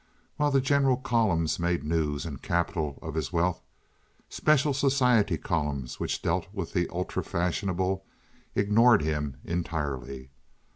While the general columns made news and capital of his wealth, special society columns, which dealt with the ultra fashionable, ignored him entirely.